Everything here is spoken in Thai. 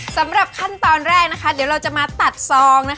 สำหรับขั้นตอนแรกเดี๋ยวเราจะมาตัดซอง